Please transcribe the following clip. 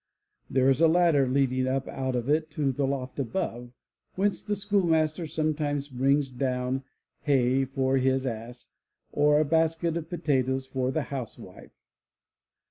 There is a ladder leading up out of it to the loft above, whence the schoolmaster sometimes brings down hay for his ass, or a basket of potatoes for the house wife.